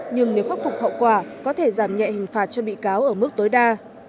nhưng nếu khắc phục hậu quả có thể giảm nhẹ hình phạt cho bị cáo ở mức tối đa